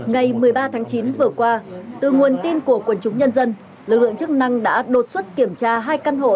ngày một mươi ba tháng chín vừa qua từ nguồn tin của quần chúng nhân dân lực lượng chức năng đã đột xuất kiểm tra hai căn hộ